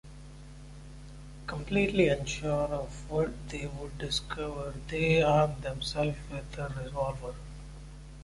Completely unsure of what they would discover, they armed themselves with a revolver.